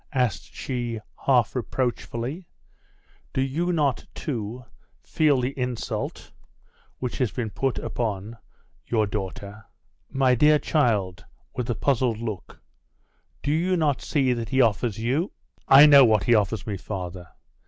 asked she, half reproachfully. 'Do not you, too, feel the insult which has been put upon your daughter?' 'My dear child,' with a puzzled look, 'do you not see that he offers you ' 'I know what he offers me, father.